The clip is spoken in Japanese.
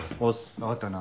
分かったな？